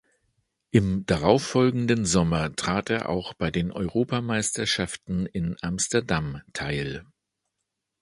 Im darauffolgenden Sommer trat er auch bei den Europameisterschaften in Amsterdam teil.